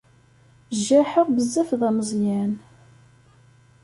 Jaḥeɣ bezzaf d ameẓyan.